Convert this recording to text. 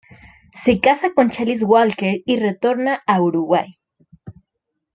Se casa con Challis Walker y retorna a Uruguay.